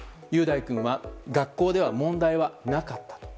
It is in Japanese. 雄大君は学校では問題はなかった。